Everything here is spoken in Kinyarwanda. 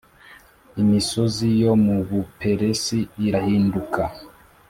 imisozi yo mu buperesi irahinduka